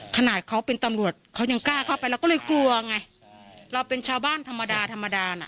ขนาดเขาเป็นตำรวจเขายังกล้าเข้าไปเราก็เลยกลัวไงเราเป็นชาวบ้านธรรมดาธรรมดาน่ะ